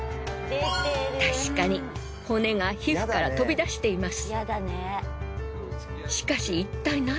確かに骨が皮膚から飛び出しています。